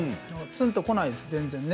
つんとこないですね、全然。